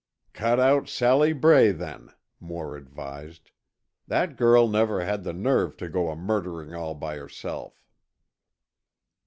"Cut out Sally Bray, then," Moore advised. "That girl never had the nerve to go a murdering all by herself."